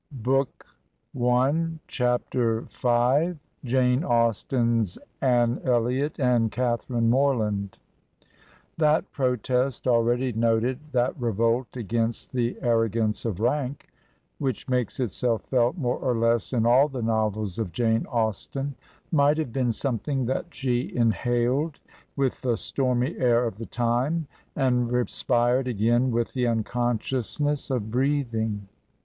Digitized by VjOOQIC JANE AUSTEN'S ANNE ELLIOT AND CATHARINE MORLAND THAT protest already noted, that revolt against the arrogance of rank, which makes itself felt more or less in all the novels of Jane Austen, might have been something that she inhaled with the stormy air of the time, and respired again with the xmconsciousness of breathing.